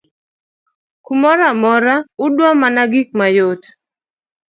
kumoro amora udwa mana gik mayot